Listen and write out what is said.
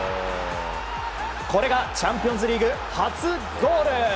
これがチャンピオンズリーグ初ゴール。